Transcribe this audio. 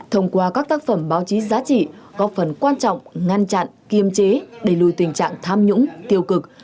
thông qua các tác phẩm báo chí giá trị góp phần quan trọng ngăn chặn kiềm chế đẩy lùi tình trạng tham nhũng tiêu cực